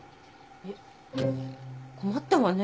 えっ困ったわねぇ。